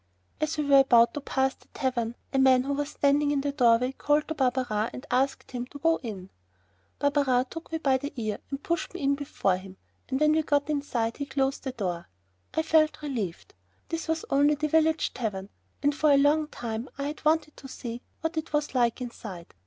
As we were about to pass the tavern, a man who was standing in the doorway called to Barberin and asked him to go in. Barberin took me by the ear and pushed me in before him, and when we got inside he closed the door. I felt relieved. This was only the village tavern, and for a long time I had wanted to see what it was like inside.